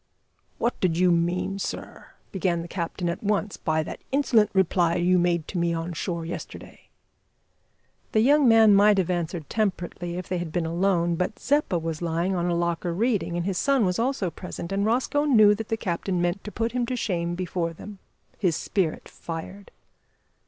"What did you mean, sir," began the captain at once, "by that insolent reply you made to me on shore yesterday?" The young man might have answered temperately if they had been alone, but Zeppa was lying on a locker reading, and his son was also present, and Rosco knew that the captain meant to put him to shame before them. His spirit fired.